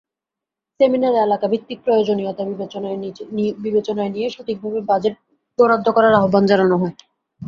সেমিনারে এলাকাভিত্তিক প্রয়োজনীয়তা বিবেচনায় নিয়ে সঠিকভাবে বাজেট বরাদ্দ করার আহ্বান জানানো হয়।